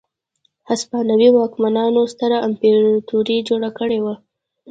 هسپانوي واکمنانو ستره امپراتوري جوړه کړې وه.